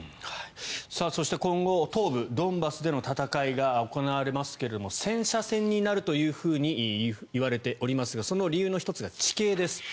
そして、今後東部ドンバスでの戦いが行われますが戦車戦になるといわれていますがその理由の１つが地形です。